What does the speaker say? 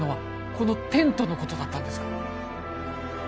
このテントのことだったんですか？